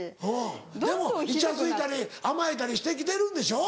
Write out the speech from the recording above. でもイチャついたり甘えたりしてきてるんでしょ？